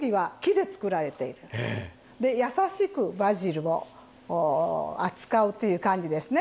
優しくバジルを扱うという感じですね。